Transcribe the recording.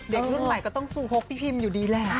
เด็กรุ่นใหม่ก็ต้องซูฮกพี่พิมอยู่ดีแหละ